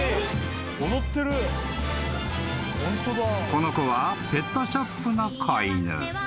［この子はペットショップの子犬］